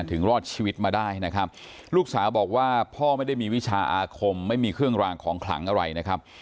รอดชีวิตมาได้นะครับลูกสาวบอกว่าพ่อไม่ได้มีวิชาอาคมไม่มีเครื่องรางของขลังอะไรนะครับ